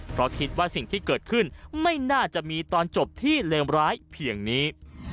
เพราะคิดว่าสิ่งที่เกิดขึ้นไม่น่าจะมีตอนจบที่เลวร้ายเพียงนี้